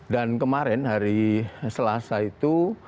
dan kemarin hari selasa itu